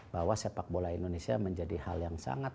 bahwa sepak bola indonesia menjadi hal yang sangat